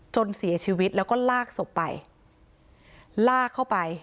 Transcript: จนเสียชีวิตแล้วก็ลากศพไปลากเข้าไป